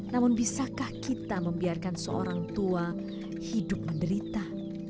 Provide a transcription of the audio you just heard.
namun bisakah kita membiarkan seorang tua hidup menderita